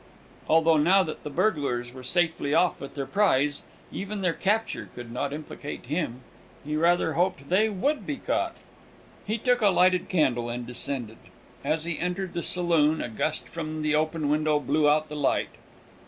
Although now that the burglars were safely off with their prize, even their capture could not implicate him. He rather hoped they would be caught! He took a lighted candle, and descended. As he entered the saloon, a gust from the open window blew out the light.